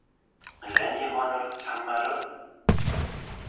Llan yimɣan ur tettḥamaleḍ?